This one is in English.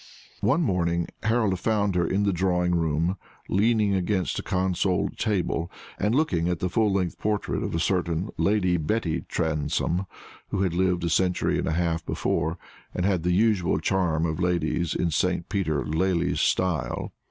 One morning Harold found her in the drawing room, leaning against a console table, and looking at the full length portrait of a certain Lady Betty Transome, who had lived a century and a half before, and had the usual charm of ladies in Sir Peter Lely's style.